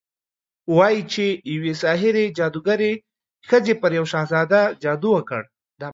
وايي چې يوې ساحرې، جادوګرې ښځې پر يو شهزاده جادو وکړ